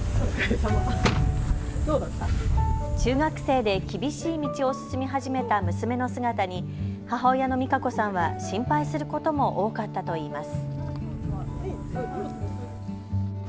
中学生で厳しい道を進み始めた娘の姿に母親の美鹿子さんは心配することも多かったといいます。